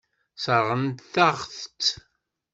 Sseṛɣent-aɣ-tt.